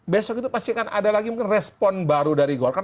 besok itu pasti akan ada lagi mungkin respon baru dari golkar